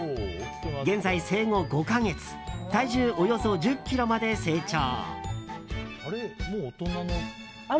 現在生後５か月体重およそ１０ｋｇまで成長。